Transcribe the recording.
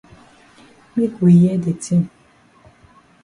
Make we hear de tin.